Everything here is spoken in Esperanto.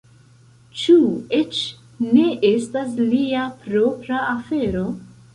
Ĉu eĉ ne estas lia propra afero?